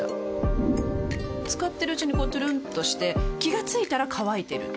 使ってるうちにこうトゥルンとして気が付いたら乾いてる